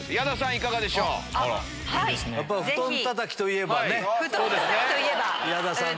布団たたきといえば。